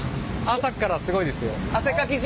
朝からすごいですよ。